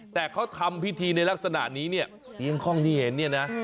แต่เขาทำพิธีในลักษณะนี้เสียงคล่องที่เห็น